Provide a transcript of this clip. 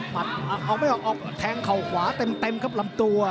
มัตรออกไปออกแทงคาวขวาเป็นเต็มครับลำตัว